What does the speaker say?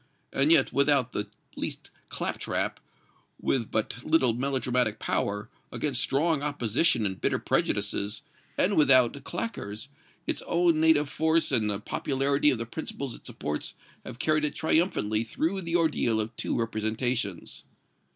"And yet, without the least claptrap, with but little melodramatic power, against strong opposition and bitter prejudices, and without claqueurs, its own native force and the popularity of the principles it supports have carried it triumphantly through the ordeal of two representations.